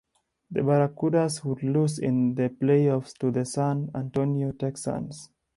The Barracudas would lose in the playoffs to the San Antonio Texans.